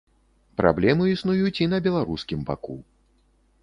Праблемы існуюць і на беларускім баку.